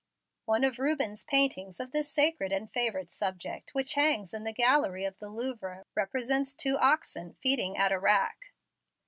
One of Rubens' paintings of this sacred and favorite subject, which hangs in the gallery of the Louvre, represents two oxen feeding at a rack."